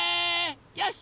よし！